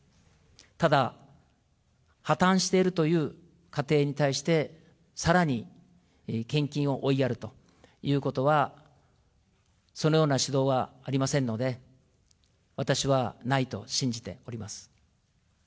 ただ、破綻しているという家庭に対して、さらに献金を追いやるということは、そのような指導はありませんので、私はないと信じております。